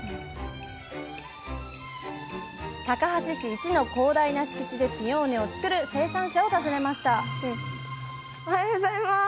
高梁市イチの広大な敷地でピオーネを作る生産者を訪ねましたおはようございます。